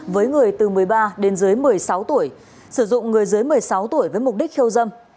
với người từ một mươi ba đến dưới một mươi sáu tuổi sử dụng người dưới một mươi sáu tuổi với mục đích khiêu dâm